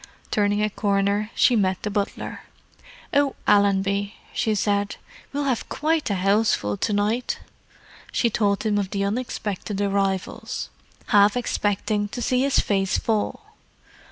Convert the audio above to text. Turning a corner she met the butler. "Oh, Allenby," she said. "We'll have quite a houseful to night!" She told him of the expected arrivals, half expecting to see his face fall.